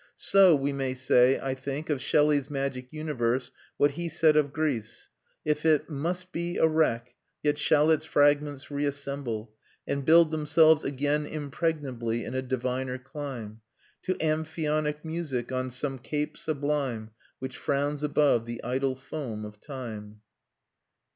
So we may say, I think, of Shelley's magic universe what he said of Greece; if it "Must be A wreck, yet shall its fragments re assemble, And build themselves again impregnably In a diviner clime, To Amphionic music, on some cape sublime Which frowns above the idle foam of time."